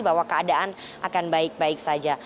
bahwa keadaan akan baik baik saja